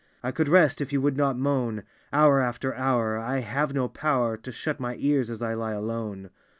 " I could rest if you would not moan Hour after hour; I have no power To shut my ears as I lie alone.